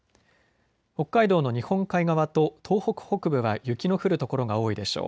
北海道の日本海側と東北北部は雪の降る所が多いでしょう。